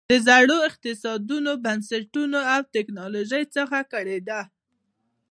د زړو اقتصادي بنسټونو او ټکنالوژۍ څخه کړېده.